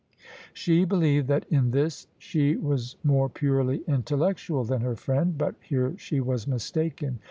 She believed that in this she was more purely intellectual than her friend : but here she was mistaken.